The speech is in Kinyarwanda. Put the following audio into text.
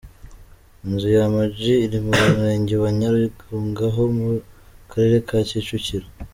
Inzu ya Ama G iri mu Murenge wa Nyarugunga ho mu Karere ka Kicukiro.